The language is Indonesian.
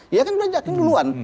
dia kan belajar kan duluan